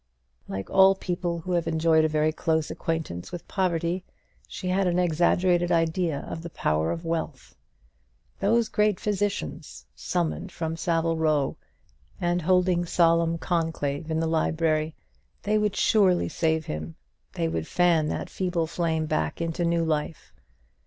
Like all people who have enjoyed a very close acquaintance with poverty, she had an exaggerated idea of the power of wealth. Those great physicians, summoned from Savile Row, and holding solemn conclave in the library, they would surely save him; they would fan that feeble flame back into new life.